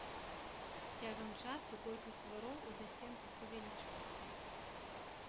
З цягам часу колькасць двароў у засценках павялічвалася.